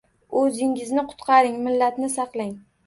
O'zingizni qutqaring, millatni saqlang!